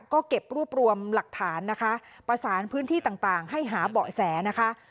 ก็เก็บรวบรวมหลักฐานนะคะประสานพื้นที่ต่างให้หาเบาะแสนะคะ